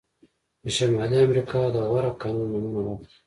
د شمالي امریکا د غوره کانونه نومونه واخلئ.